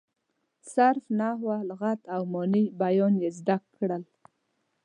صرف، نحو، لغت او معاني بیان یې زده کړل.